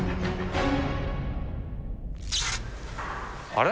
あれ？